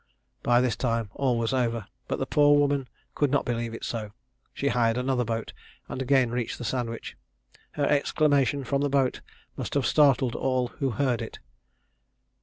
By this time all was over, but the poor woman could not believe it so. She hired another boat, and again reached the Sandwich. Her exclamation from the boat must have startled all who heard it.